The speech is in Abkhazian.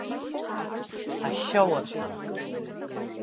Ашьауардын.